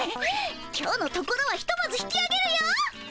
今日のところはひとまず引きあげるよ。